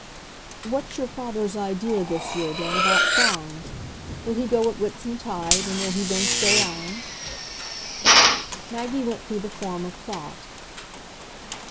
"What's your father's idea, this year, then, about Fawns? Will he go at Whitsuntide, and will he then stay on?" Maggie went through the form of thought.